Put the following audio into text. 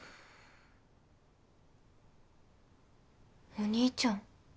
お兄ちゃん。